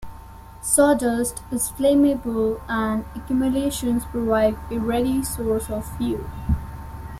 Sawdust is flammable and accumulations provide a ready source of fuel.